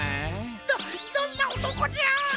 どどんなおとこじゃ！？